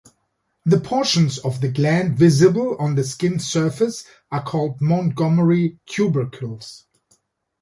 The portions of the gland visible on the skin's surface are called "Montgomery tubercles".